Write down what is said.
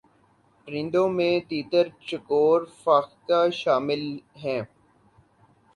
پرندوں میں تیتر چکور فاختہ شامل ہیں